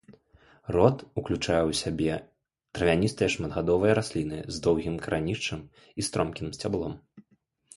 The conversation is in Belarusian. Род уключае ў сябе травяністыя шматгадовыя расліны з доўгім карэнішчам і стромкім сцяблом.